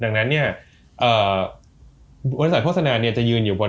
ดังนั้นเนี่ยบริษัทโฆษณาเนี่ยจะยืนอยู่บน